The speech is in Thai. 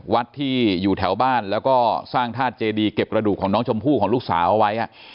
วัดที่อยู่แถวบ้านแล้วก็สร้างธาตุเจดีเก็บกระดูกของน้องชมพู่ของลูกสาวเอาไว้